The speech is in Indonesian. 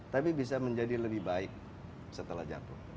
tapi bisa menjadi lebih baik setelah jatuh